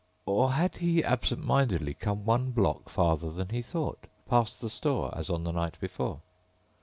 Or had he, absent mindedly, come one block farther than he thought, passed the store as on the night before?